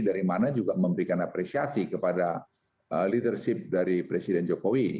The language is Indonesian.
dari mana juga memberikan apresiasi kepada leadership dari presiden jokowi